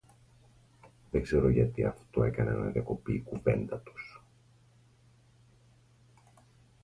Δεν ξέρω γιατί αυτό έκανε να διακοπεί η κουβέντα τους.